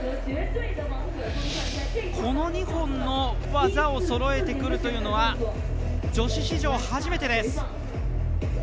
この２本の技をそろえてくるというのは女子史上初めてです。